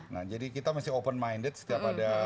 nah jadi kita mesti open minded setiap ada